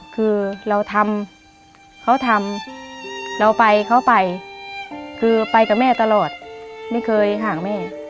คือเราทำเขาทำเราไปเขาไปคือไปกับแม่ตลอดไม่เคยห่างแม่